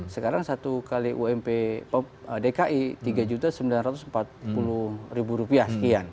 sekarang satu kali ump dki tiga juta sembilan ratus empat puluh ribu rupiah sekian